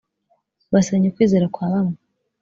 basenya ukwizera kwa bamwe